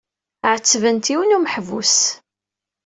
Ɛettbent yiwen n umeḥbus.